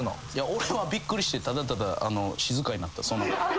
俺はびっくりしてただただ静かになった。